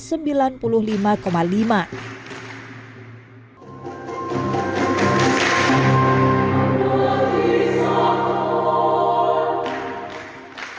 selain di kategori g